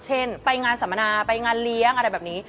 เช่นไปงานสัมมนาไปงานเลี้ยงอะไรแบบนี้